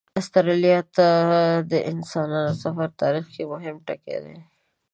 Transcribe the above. استرالیا ته د انسانانو سفر تاریخ کې مهم ټکی دی.